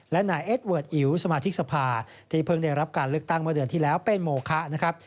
และนายเอ็ดเวิร์ดอิ๋วสมาชิกสภาที่เพิ่งได้รับการเลือกตั้งเมื่อเดือนที่แล้วเป็นโมคะนะครับ